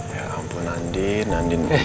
ya ampun andin